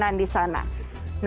dan membakar bangunan di sana